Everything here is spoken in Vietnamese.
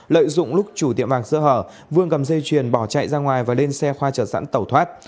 lợi dụng lúc chủ tiệm vàng sơ hở vương cầm dây chuyền bỏ chạy ra ngoài và lên xe khoa trợ sẵn tẩu thoát